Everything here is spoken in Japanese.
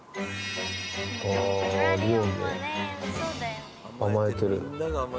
あぁリオンも甘えてる。